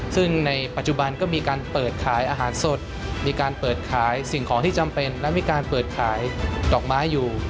ซึ่งในปัจจุบันก็มีการเปิดขายอาหารสดมีการเปิดขายสิ่งของที่จำเป็นและมีการเปิดขายดอกไม้อยู่